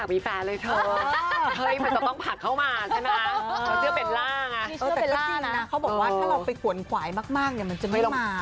เขาบอกว่าถ้าเราไปขวนขวายมากจะไม่ลบมา